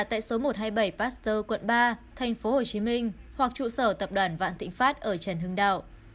tại số một trăm hai mươi bảy pasteur quận ba tp hcm hoặc trụ sở tập đoàn vạn thịnh pháp ở trần hưng đạo